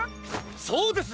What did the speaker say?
そうです！